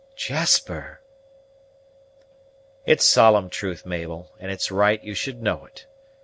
"Jasper!" "It's solemn truth, Mabel, and it's right you should know it.